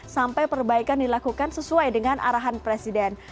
sampai perbaikan dilakukan sesuai dengan arahan presiden